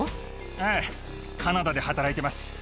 ええ、カナダで働いてます。